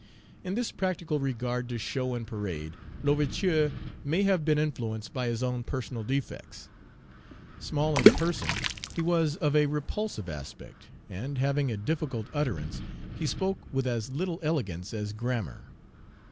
In this practical regard to show and parade, L'Ouverture may have been influenced by his own personal defects. Small in person, he was of a repulsive aspect, and, having a difficult utterance, he spoke with as little elegance as grammar.